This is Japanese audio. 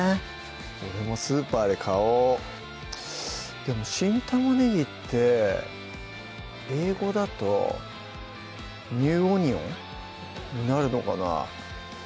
俺もスーパーで買おうでも新玉ねぎって英語だとニューオニオンになるのかな？